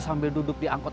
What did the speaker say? sambil duduk di angkut